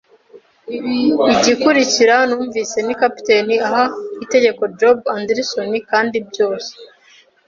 igikurikira numvise ni capitaine aha itegeko Job Anderson, kandi byose